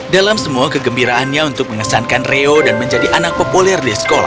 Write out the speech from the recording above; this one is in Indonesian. dalam semua kegembiraannya untuk mengesankan reo dan menjadi anak populer di sekolah